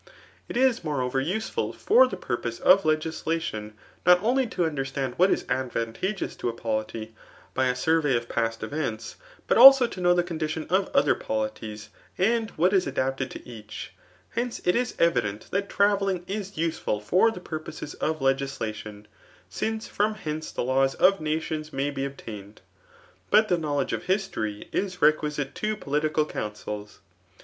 It is; moreover useful for the purpose of legislation, not only* to understand what is advantageous to a polity, by a survey of past events, but also to know the condition of other polities, and what is adapted to each« Hence it is evident that traveUmg is usidFul for the purposes of l^is lation ; since from hence the laws of nations may be ob tained. But the knowledge of history is requisite tO' political counsels.